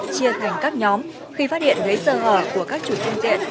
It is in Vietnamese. chia thành các nhóm khi phát hiện thấy sơ hở của các chủ trung tiện